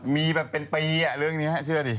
มีแบบเป็นปีเรื่องนี้เชื่อดิ